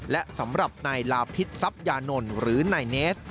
และสำหรับนายลาพิษทรัพยานนท์หรือนายเนส